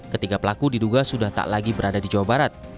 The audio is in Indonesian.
ketiga pelaku diduga sudah tak lagi berada di jawa barat